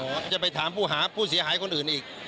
ผมจะไปถามผู้หาผู้เสียหายคนอื่นอีก